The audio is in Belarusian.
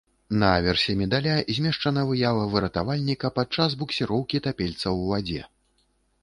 На аверсе медаля змешчана выява выратавальніка падчас буксіроўкі тапельца ў вадзе.